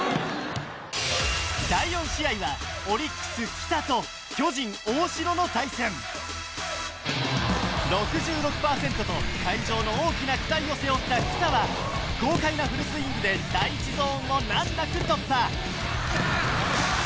第４試合はオリックス・来田と巨人・大城の対戦６６％と会場の大きな期待を背負った来田は豪快なフルスイングで第１ゾーンを難なく突破！